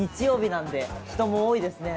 なんで人も多いですね。